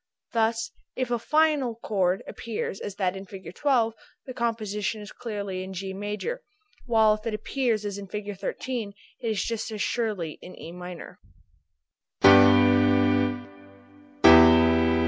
Thus if a final chord appears as that in Fig. 12 the composition is clearly in G major, while if it appears as in Fig. 13, it is just as surely in E minor.